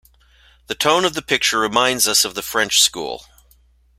The tone of the picture reminds us of the French school.